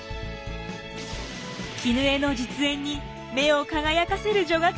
絹枝の実演に目を輝かせる女学生たち。